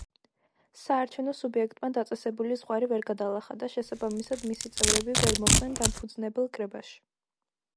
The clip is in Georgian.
საარჩევნო სუბიექტმა დაწესებული ზღვარი ვერ გადალახა და შესაბამისად მისი წევრები ვერ მოხვდნენ დამფუძნებელ კრებაში.